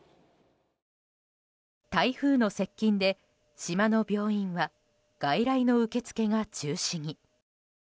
台風の接近で島の病院は外来の受け付けが中止に。